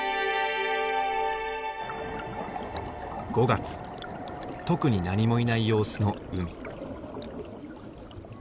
５月特に何もいない様子の海。